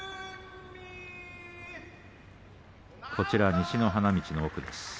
西の花道の奥です。